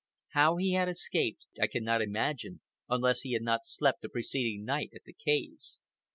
How he had escaped I cannot imagine, unless he had not slept the preceding night at the caves.